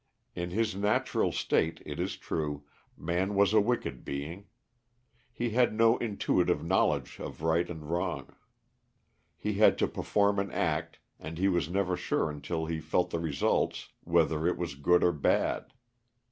In his natural state, it is true, man was a wicked being. He had no intuitive knowledge of right and wrong. He had to perform an act, and he was never sure until he felt the results whether it was good or bad.